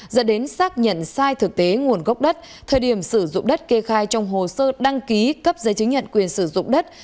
dẫn đến xác nhận sai thực tế nguồn gốc đất thời điểm sử dụng đất kê khai trong hồ sơ đăng ký cấp giấy chứng nhận quyền sử dụng đất